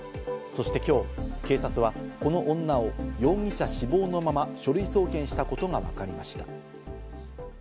そして今日、警察はこの女を容疑者死亡のまま書類送検したことがわかりました。